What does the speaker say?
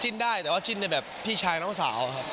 ได้แต่ว่าจิ้นได้แบบพี่ชายน้องสาวครับ